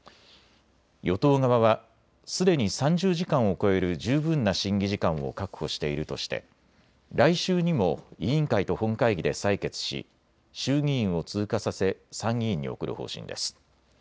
与党側はすでに３０時間を超える十分な審議時間を確保しているとして来週にも委員会と本会議で採決し衆議院を通過させ参議院に送る方針です。